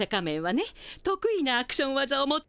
得意なアクション技を持っているのよ。